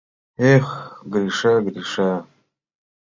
Эх, Гриша, Гриша!